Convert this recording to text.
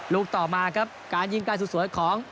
ต่อมาครับการยิงไกลสุดสวยของ